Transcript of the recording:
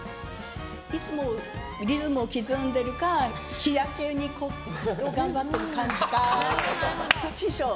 いつもリズムを刻んでるか日焼け頑張ってる感じかどっちにしよう。